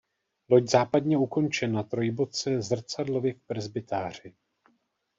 Loď západně ukončena trojboce zrcadlově k presbytáři.